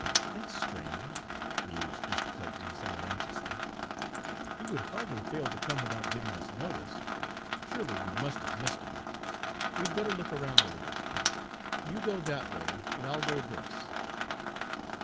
"That 's strange," mused Mr. Clayton, somewhat anxiously. "He would hardly fail to come without giving us notice. Surely we must have missed him. We'd better look around a little. You go that way and I 'll go this."